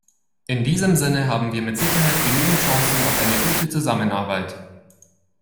In diesem Sinne haben wir mit Sicherheit genügend Chancen auf eine gute Zusammenarbeit.